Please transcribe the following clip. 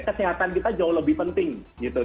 kesehatan kita jauh lebih penting gitu